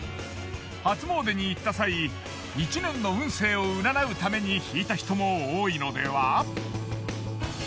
初詣に行った際１年の運勢を占うためにひいた人も多いのでは。